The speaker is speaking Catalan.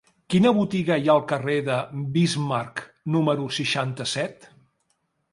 Quina botiga hi ha al carrer de Bismarck número seixanta-set?